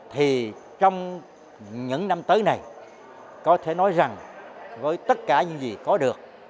thì trong những năm tới này có thể nói rằng với tất cả những gì có được